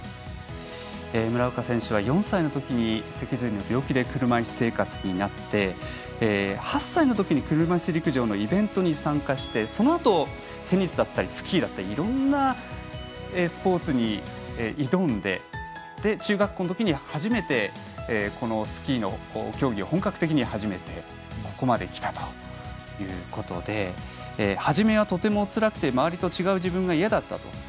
村岡選手は４歳のときに脊髄の病気で車いす生活になって８歳のときに車いす陸上のイベントに参加してそのあと、テニスだったりスキーだったりいろんなスポーツに挑んで中学校のときに初めてスキーの競技を本格的に始めてここまで来たということで初めはとてもつらくて周りと違う自分が嫌だったと。